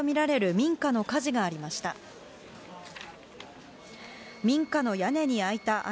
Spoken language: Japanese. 民家の屋根に開いた穴。